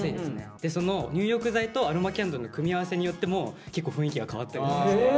その入浴剤とアロマキャンドルの組み合わせによっても結構雰囲気が変わったりとかして。